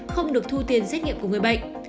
không được thu tiền xét nghiệm của người bệnh